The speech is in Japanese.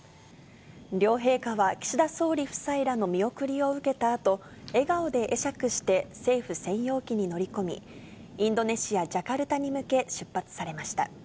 両陛下は岸田総理夫妻らの見送りを受けたあと、笑顔で会釈して政府専用機に乗り込み、インドネシア・ジャカルタに向け出発されました。